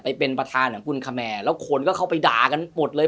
เป็นประธานของคุณคแมร์แล้วคนก็เข้าไปด่ากันหมดเลย